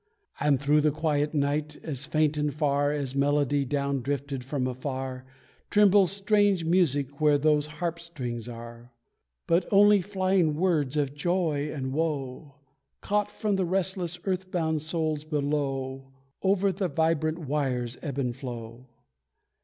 And through the quiet night, as faint and far As melody down drifted from a star, Trembles strange music where those harp strings are. But only flying words of joy and woe, Caught from the restless earth bound souls below, Over the vibrant wires ebb and flow.